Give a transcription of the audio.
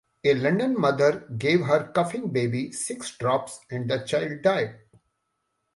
A London mother gave her coughing baby six drops, and the child died.